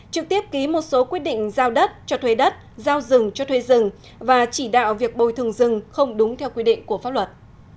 trực tiếp ký một số quyết định giao đất cho thuê đất giao rừng cho thuê rừng và chỉ đạo việc bồi thường rừng không đúng theo quy định của pháp luật